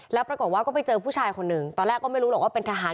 แล้วปรากฏว่าก็ไปเจอผู้ชายคนหนึ่งตอนแรกก็ไม่รู้หรอกว่าเป็นทหาร